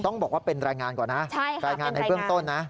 ต้องบอกว่าเป็นรายงานก่อนนะรายงานในเบื้องต้นนะ